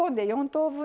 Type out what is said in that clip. ４等分。